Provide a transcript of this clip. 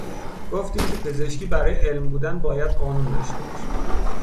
گفتیم که پزشکی برای علم بودن باید قانون داشته باشه.